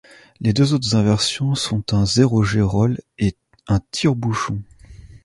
Les deux autres inversions sont un zero-G roll et un tire-bouchon.